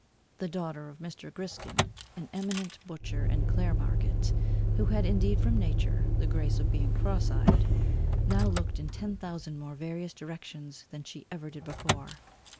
The daughter of Mr. Griskin, an eminent butcher in Clare market, who had indeed from nature, the grace of being cross eyed, now looked in ten thousand more various directions than she ever did before.